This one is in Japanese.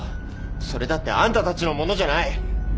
それだってあんたたちのものじゃない！